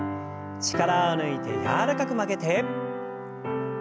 力を抜いて柔らかく曲げて反らせて。